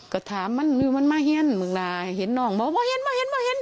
ก็ถามมันหรือมันมาเฮียนมึงล่ะเห็นน้องบอกว่าเห็นมาเห็นมาเห็น